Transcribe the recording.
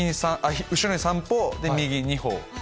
後ろに３歩、右に２歩。